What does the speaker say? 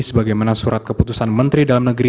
sebagaimana surat keputusan menteri dalam negeri